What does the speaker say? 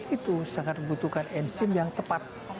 itu sangat membutuhkan enzim yang tepat